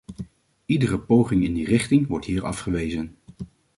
Iedere poging in die richting wordt hier afgewezen.